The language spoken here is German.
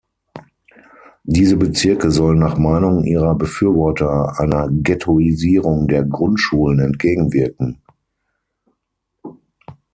Diese Bezirke sollen nach Meinung ihrer Befürworter einer Ghettoisierung der Grundschulen entgegenwirken.